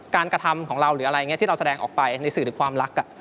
กระทำของเราหรืออะไรอย่างนี้ที่เราแสดงออกไปในสื่อหรือความรัก